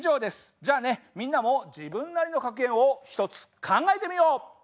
じゃあねみんなも自分なりの格言を一つ考えてみよう！